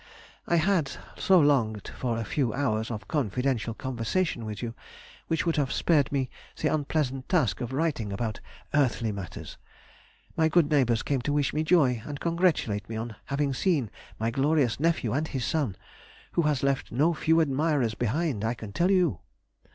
... I had so longed for a few hours of confidential conversation with you which would have spared me the unpleasant task of writing about earthly matters.... My good neighbours came to wish me joy, and congratulate me on having seen my glorious nephew and his son (who has left no few admirers behind, I can tell you).